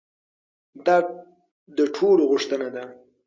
دا د ټولو غوښتنه ده.